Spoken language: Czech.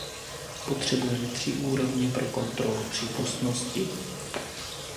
Potřebujeme tři úrovně pro kontrolu přípustnosti.